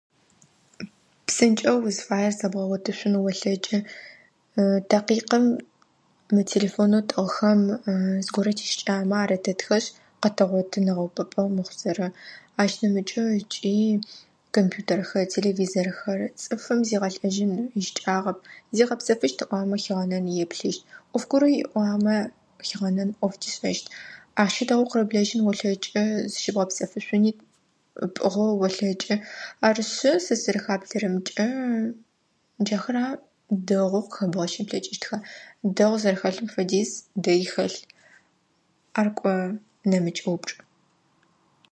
Псынкӏэу узфайер зэбгъэгъуэтышъун уэлъэкӏы такъикъым мы телефонэу тӏыгъхэм зыгорэ тищыкӏамэ арытэтхэшъ къэтэгъуэты нэгъэупӏэпӏэгъу мыхъузэрэ. Ащ нэмыкӏэу ыкӏи кампютерхэр, телевизэрхэр цӏыфым зигъэлӏэжьын ищыкӏагъэп зигъэпсэфыщт ыӏомэ хигъэнэн, еплъыщт. Ӏоф горэ иӏ ыӏуагъэмэ хигъэнэн ӏоф дишӏэщт. Ахъщи дэгъуэу къырыблэжьын уэлъэкӏы зыбгъэпсэфышъуни пӏыгъэу олъэкӏы. Арышъы сэ сызэрэхаплъэрэмкӏэ джахэр а дэгъуэу къыхэбгъэщын плъэкӏыщтхэр. Дэгъу зэрэхэлъым фэдиз дэи хэлъ. Ар кӏуэ нэмыкӏ уыпчӏ.